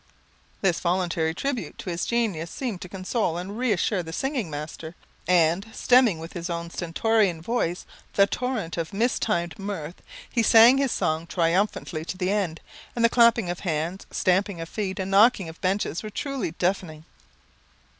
This voluntary tribute to his genius seemed to console and reassure the singing master, and, stemming with his stentorian voice the torrent of mistimed mirth, he sang his song triumphantly to the end; and the clapping of hands, stamping of feet, and knocking of benches, were truly deafening.